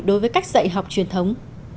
đối với cách dạy học truyền thống